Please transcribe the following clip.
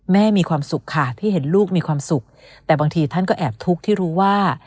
มีความสุขค่ะที่เห็นลูกมีความสุขแต่บางทีท่านก็แอบทุกข์ที่รู้ว่า